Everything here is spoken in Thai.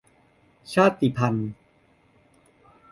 ชาติพันธุ์